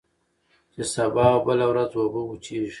چي سبا او بله ورځ اوبه وچیږي